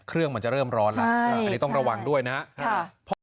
เครื่องมันจะเริ่มร้อนแล้วอันนี้ต้องระวังด้วยนะครับ